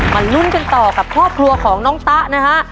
ลุ้นกันต่อกับครอบครัวของน้องตะนะฮะ